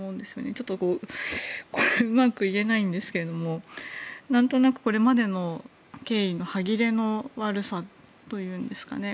ちょっと、これはうまく言えないんですがなんとなく、これまでの経緯の歯切れの悪さというんですかね